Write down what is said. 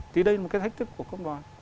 thì đây là một cái thách thức của công đoàn